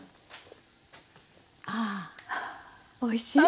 ああおいしい！